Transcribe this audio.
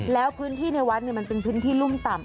แล้วพื้นที่ในวัดมันเป็นพื้นที่รุ่มต่ำ